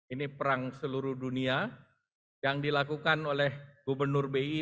ini perang seluruh dunia yang dilakukan oleh gubernur bi